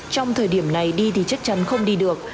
trong thời điểm này đi thì chắc chắn không đi được